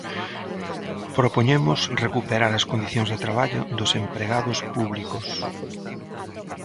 Propoñemos recuperar as condicións de traballo dos empregados públicos.